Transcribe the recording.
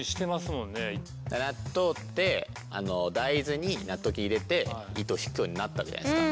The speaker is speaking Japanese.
納豆って大豆に納豆菌入れて糸を引くようになったわけじゃないですか。